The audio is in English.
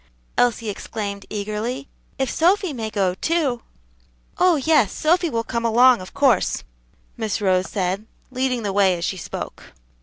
Elsie exclaimed eagerly; "if Sophy may go, too." "Oh, yes, Sophy will come along, of course," Miss Rose said, leading the way as she spoke.